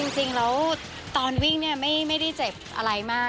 จริงแล้วตอนวิ่งเนี่ยไม่ได้เจ็บอะไรมาก